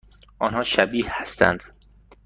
آنها شبیه هستند؟